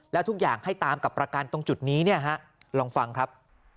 แล้วทุกอย่างให้ตามกับประกันตรงจุดนี้เนี่ยฮะลองฟังครับ